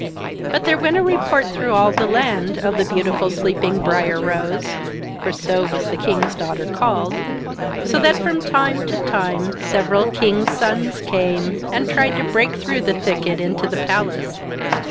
But there went a report, through all the land, of the beautiful sleeping Briar Rose (for so was the king's daughter called) so that from time to time several kings' sons came, and tried to break through the thicket into the palace.